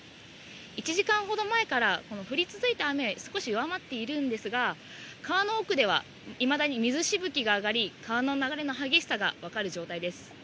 １時間ほど前からこの降り続いた雨、少し弱まっているんですが、川の奥では、いまだに水しぶきが上がり、川の流れの激しさが分かる状態です。